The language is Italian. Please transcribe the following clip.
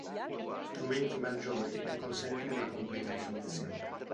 Strumenti maggiori ne consentono una completa risoluzione.